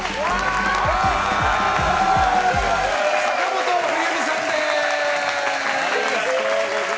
坂本冬美さんです。